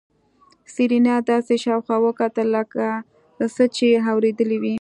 سېرېنا داسې شاوخوا وکتل لکه څه چې يې اورېدلي وي.